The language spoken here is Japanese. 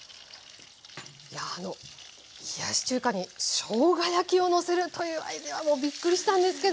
いやあの冷やし中華にしょうが焼きをのせるというアイデアはもうびっくりしたんですけど。